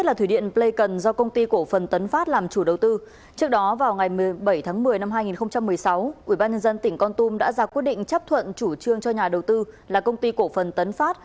bảy tháng một mươi năm hai nghìn một mươi sáu ubnd tỉnh con tum đã ra quyết định chấp thuận chủ trương cho nhà đầu tư là công ty cổ phần tấn phát